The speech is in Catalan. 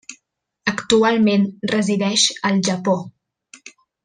Actualment resideix al Japó.